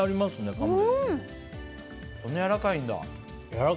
こんなやわらかいんだ。